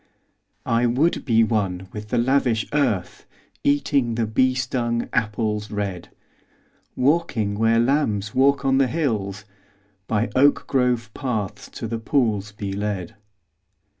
I would be one with the lavish earth, Eating the bee stung apples red: Walking where lambs walk on the hills; By oak grove paths to the pools be led.